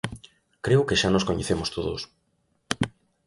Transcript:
Creo que xa nos coñecemos todos.